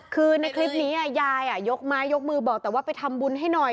คือในคลิปนี้ยายยกไม้ยกมือบอกแต่ว่าไปทำบุญให้หน่อย